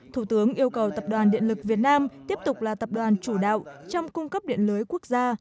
thủ tướng yêu cầu tập đoàn điện lực việt nam tiếp tục là tập đoàn chủ đạo trong cung cấp điện lưới quốc gia